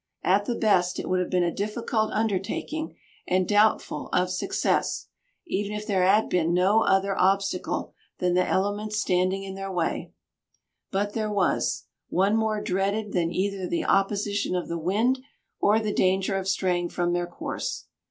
At the best, it would have been a difficult undertaking and doubtful of success, even if there had been no other obstacle than the elements standing in their way. But there was, one more dreaded than either the opposition of the wind or the danger of straying from their course.